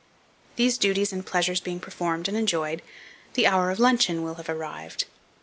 THESE DUTIES AND PLEASURES BEING PERFORMED AND ENJOYED, the hour of luncheon will have arrived.